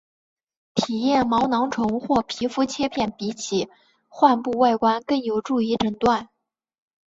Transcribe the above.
化验毛囊虫或皮肤切片比起患部外观更有助于诊断。